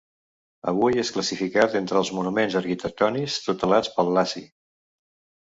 Avui és classificat entre els monuments arquitectònics tutelats pel Laci.